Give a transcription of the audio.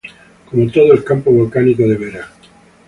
Como todo el campo volcánico de Vera.